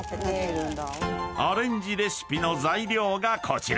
［アレンジレシピの材料がこちら］